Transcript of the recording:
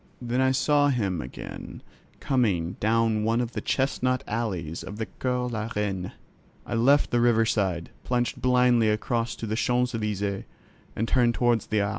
Then I saw him again coming down one of the chestnut alleys of the Cours la Reine. I left the river side, plunged blindly across to the Champs Elysķes and turned toward the Arc.